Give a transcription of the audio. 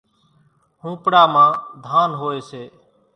ۿونپڙا مان ڌان ھوئي سي،